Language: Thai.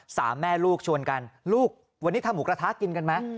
แม่ลูกชวนกันลูกวันนี้ทำหมูกระทะกินกันไหม